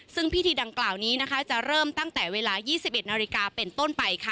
ซึ่งพิธีดังกล่าวนี้นะคะจะเริ่มตั้งแต่เวลา๒๑นาฬิกาเป็นต้นไปค่ะ